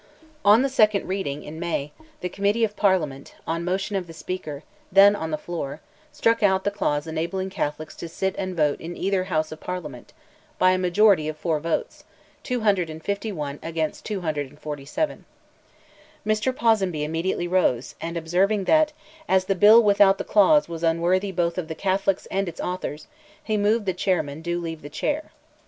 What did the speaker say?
On the second reading, in May, the Committee of Parliament, on motion of the Speaker, then on the floor, struck out the clause enabling Catholics "to sit and vote in either House of Parliament," by a majority of four votes: 251 against 247. Mr. Ponsonby immediately rose, and, observing that, as "the bill without the clause," was unworthy both of the Catholics and its authors, he moved the chairman do leave the chair.